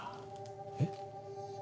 えっ？